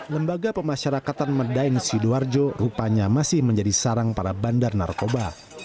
lembaga pemasyarakatan medaeng sidoarjo rupanya masih menjadi sarang para bandar narkoba